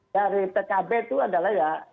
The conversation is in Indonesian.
dari pkb itu adalah ya